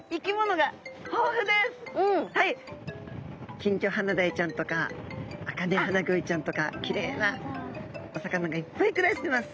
キンギョハナダイちゃんとかアカネハナゴイちゃんとかきれいなお魚がいっぱい暮らしてます。